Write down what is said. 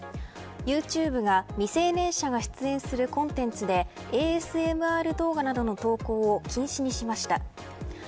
ユーチューブが未成年者が出演するコンテンツでＡＳＭＲ動画などの投稿を禁止にしました。